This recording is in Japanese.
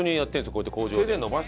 こうやって工場。